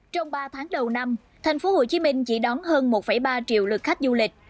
trong ba tháng đầu năm thành phố hồ chí minh chỉ đón hơn một ba triệu lượt khách du lịch